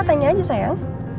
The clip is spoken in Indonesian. tanya aja sayang